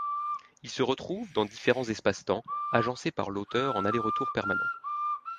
Ils se retrouvent dans différents espaces-temps, agencés par l'auteur en aller-retour permanent.